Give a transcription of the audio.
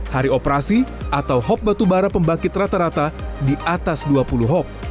hari operasi atau hop batubara pembangkit rata rata di atas dua puluh hop